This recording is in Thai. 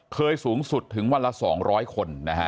เคยสูงสุดถึงวันละ๒๐๐คน